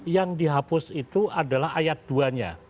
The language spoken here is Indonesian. yang dihapus itu adalah ayat dua nya